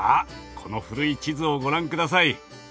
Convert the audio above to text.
この古い地図をご覧ください。